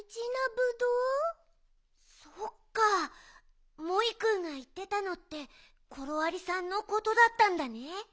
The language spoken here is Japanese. そっかモイくんがいってたのってコロありさんのことだったんだね。